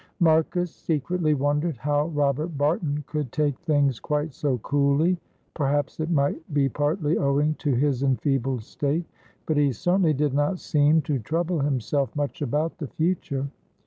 Marcus secretly wondered how Robert Barton could take things quite so coolly. Perhaps it might be partly owing to his enfeebled state, but he certainly did not seem to trouble himself much about the future.